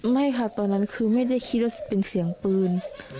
ไม่ค่ะตอนนั้นคือไม่ได้คิดว่าเป็นเสียงปืน